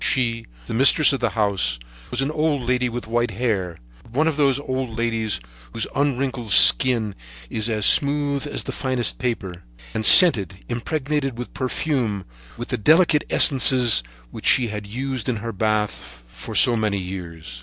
She, the mistress of the house, was an old lady with white hair, but one of those old ladies whose unwrinkled skin is as smooth as the finest paper, and scented, impregnated with perfume, with the delicate essences which she had used in her bath for so many years.